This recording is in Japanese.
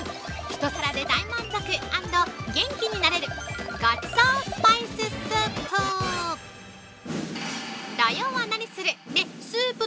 一皿で大満足＆元気になれるごちそうスパイススープ！